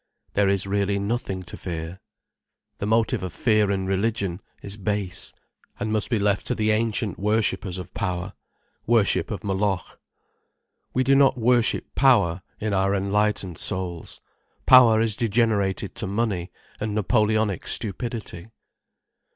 There is really nothing to fear. The motive of fear in religion is base, and must be left to the ancient worshippers of power, worship of Moloch. We do not worship power, in our enlightened souls. Power is degenerated to money and Napoleonic stupidity.